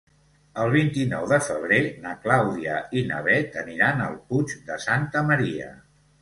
El vint-i-nou de febrer na Clàudia i na Bet aniran al Puig de Santa Maria.